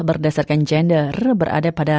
berdasarkan gender berada pada